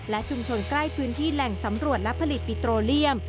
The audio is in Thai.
และชุมชนใกล้พื้นที่แหล่งสำรวจและผลิตปิโตเลียม